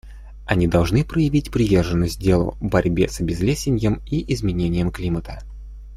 Они должны проявить приверженность делу борьбы с обезлесением и изменением климата.